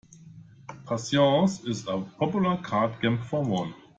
Patience is a popular card game for one